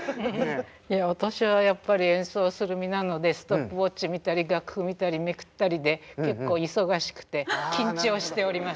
私はやっぱり演奏する身なのでストップウォッチ見たり楽譜見たりめくったりで結構忙しくて緊張しておりました。